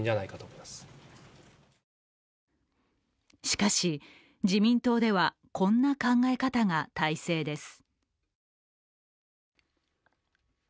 しかし、自民党ではこんな考え方が大勢です。